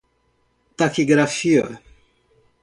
taquigrafia